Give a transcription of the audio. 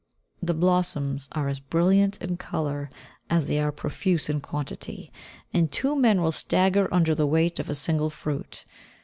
The blossoms are as brilliant in colour as they are profuse in quantity, and two men will stagger under the weight of a single fruit.